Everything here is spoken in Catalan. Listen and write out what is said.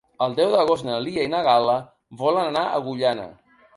El deu d'agost na Lia i na Gal·la volen anar a Agullana.